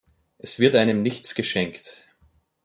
Es wird einem nichts geschenkt.